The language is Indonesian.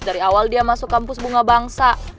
dari awal dia masuk kampus bunga bangsa